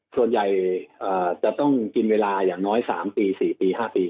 ส่วนใหญ่จะต้องกินเวลาอย่างน้อย๓ปี๔ปี๕ปี